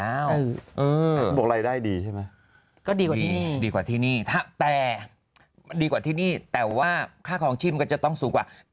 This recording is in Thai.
เออหรือว่าอาหารคลองถูก